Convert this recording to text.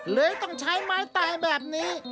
เลยต้องใช้ไม้ตายแบบนี้